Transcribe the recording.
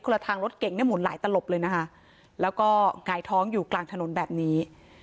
ละทางรถเก่งเนี่ยหมุนหลายตลบเลยนะคะแล้วก็หงายท้องอยู่กลางถนนแบบนี้